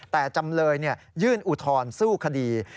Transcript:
แต่จำเลยยื่นอุทธรณ์สู้คดี